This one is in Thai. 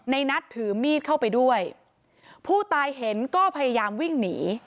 ในนัดถือมีดเข้าไปด้วยผู้ตายเห็นก็พยายามวิ่งหนี